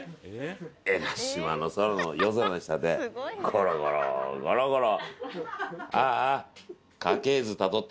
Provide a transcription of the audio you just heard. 江の島の夜空の下でゴロゴロゴロゴロ。